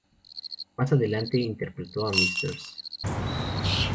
Más adelante interpretó a Mrs.